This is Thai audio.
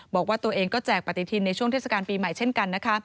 บอกว่าตัวเองก็แจกปฏิทินในช่วงเทศกาลปีใหม่เช่นกันนะคะ